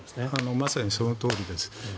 まさにそのとおりです。